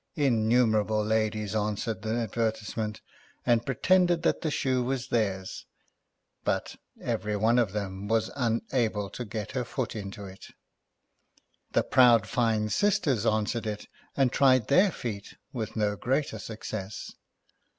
Innumerable ladies answered the 100 HOUSEHOLD WORDS. [Conducted by Advertisement and pretended that the shoe was theirs ; but, every one of them was unable to get her foot into it. The proud fine sisters answered it, and tried their feet with no greater success.